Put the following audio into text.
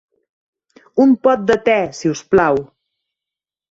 Un pot de te, si us plau.